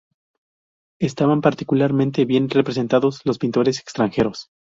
Estaban particularmente bien representados los pintores extranjeros.